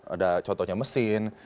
ada contohnya mesin